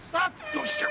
よっしゃ！